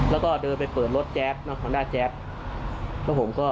แล้วก็เดินไปเปิดรถแจ๊บข้างหน้าแจ๊บ